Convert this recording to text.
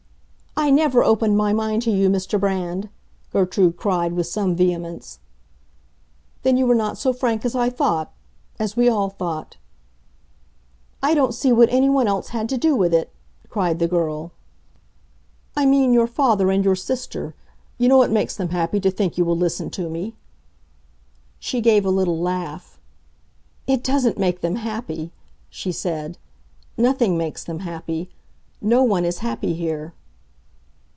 "I never opened my mind to you, Mr. Brand!" Gertrude cried, with some vehemence. "Then you were not so frank as I thought—as we all thought." "I don't see what anyone else had to do with it!" cried the girl. "I mean your father and your sister. You know it makes them happy to think you will listen to me." She gave a little laugh. "It doesn't make them happy," she said. "Nothing makes them happy. No one is happy here."